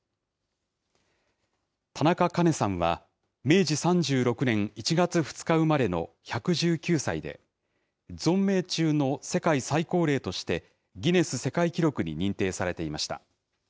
田中カ子さんは、明治３６年１月２日生まれの１１９歳で、存命中の世界最高齢として、ギネス世界記録に認定されていました。